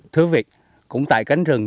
thưa quý vị cũng tại cánh rừng